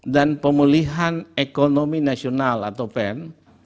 di mana penyelesaian ekonomi nasional atau pen